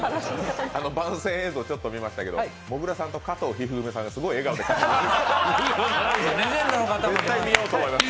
番宣映像ちょっと見ましたけど、もぐらさんと加藤一二三さんがすごい笑顔で話していました。